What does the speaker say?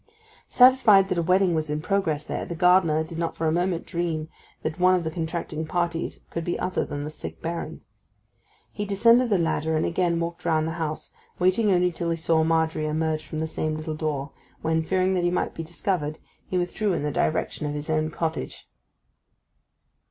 Satisfied that a wedding was in progress there, the gardener did not for a moment dream that one of the contracting parties could be other than the sick Baron. He descended the ladder and again walked round the house, waiting only till he saw Margery emerge from the same little door; when, fearing that he might be discovered, he withdrew in the direction of his own cottage.